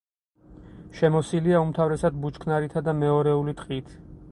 შემოსილია უმთავრესად ბუჩქნარითა და მეორეული ტყით.